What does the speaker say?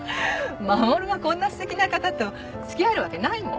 護がこんなすてきな方と付き合えるわけないもん。